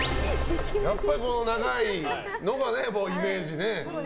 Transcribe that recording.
やっぱり、長いのがイメージでね。